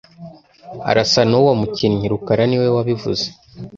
Arasa nuwo mukinnyi rukara niwe wabivuze